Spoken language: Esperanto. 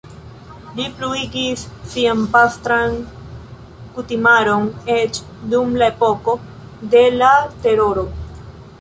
Li pluigis sian pastran kutimaron eĉ dum la epoko de la Teroro.